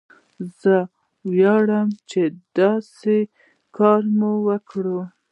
زه ویاړم چې داسې کار مې وکړ.